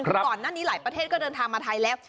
ก่อนหน้านี้หลายประเทศก็เดินทางมาไทยแล้ว